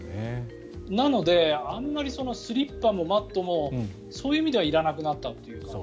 なので、あまりスリッパもマットもそういう意味ではいらなくなった。